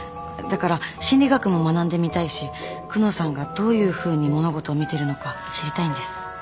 だから心理学も学んでみたいし久能さんがどういうふうに物事を見てるのか知りたいんです